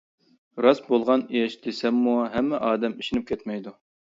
راست بولغان ئىش دېسەممۇ ھەممە ئادەم ئىشىنىپ كەتمەيدۇ.